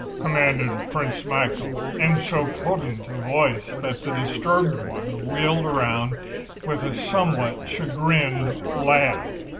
commanded Prince Michael, in so potent a voice that the disturbed one wheeled around with a somewhat chagrined laugh.